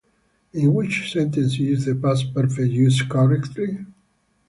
In which sentence is The Past Perfect used correctly?